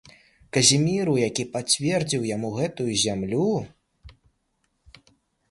Казіміру, які пацвердзіў яму гэтую зямлю.